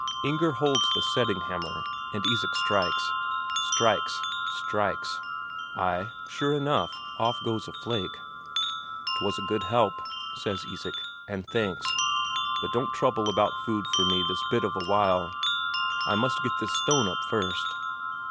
Inger holds the setting hammer, and Isak strikes. Strikes, strikes. Ay, sure enough, off goes a flake. "'Twas a good help," says Isak, "and thanks. But don't trouble about food for me this bit of a while, I must get this stone up first."